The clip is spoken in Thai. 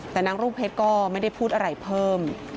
แต่นางรุ่งเพชรก็ไม่ได้พูดอะไรเพิ่ม